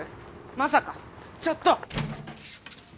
まさかちょっと！